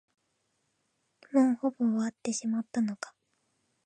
もうほぼ終わってしまったのか。